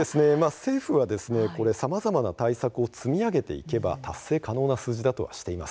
政府はさまざまな対策を積み上げていけば達成可能な数字だとしています。